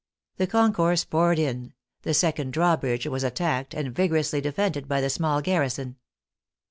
The concourse poured in; the second drawbridge was attacked and vigorously defended by the small garrison.